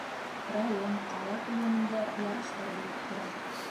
Район, ҡала күләмендә ярыштар булып тора.